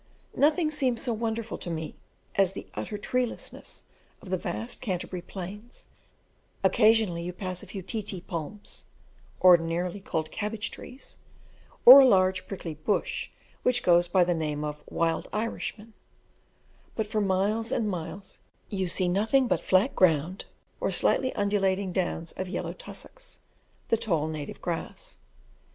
Nothing seems so wonderful to me as the utter treelessness of the vast Canterbury plains; occasionally you pass a few Ti ti palms (ordinarily called cabbage trees), or a large prickly bush which goes by the name of "wild Irishman," but for miles and miles you see nothing but flat ground or slightly undulating downs of yellow tussocks, the tall native grass.